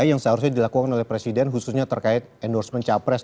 yang seharusnya dilakukan oleh presiden khususnya terkait endorsement capres